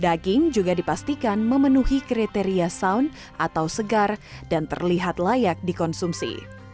daging juga dipastikan memenuhi kriteria sound atau segar dan terlihat layak dikonsumsi